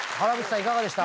いかがでした？